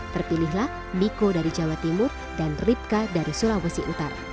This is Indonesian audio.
terpilihlah miko dari jawa timur dan ripka dari sulawesi utara